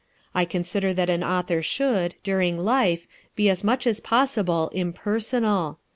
I consider that an author should, during life, be as much as possible, impersonal.